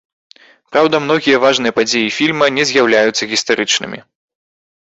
Праўда, многія важныя падзеі фільма не з'яўляюцца гістарычнымі.